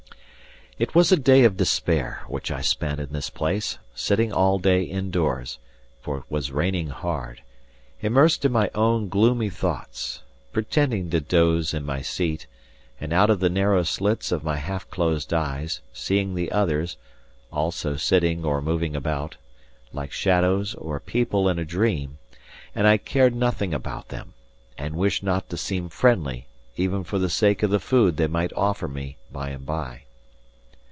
It was a day of despair which I spent in this place, sitting all day indoors, for it was raining hard, immersed in my own gloomy thoughts, pretending to doze in my seat, and out of the narrow slits of my half closed eyes seeing the others, also sitting or moving about, like shadows or people in a dream; and I cared nothing about them, and wished not to seem friendly, even for the sake of the food they might offer me by and by.